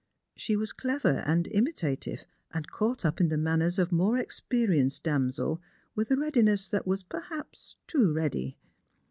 She was clever and imitative, and caught up the manners of more experienced damsels with a readiness that was perhaps too ready.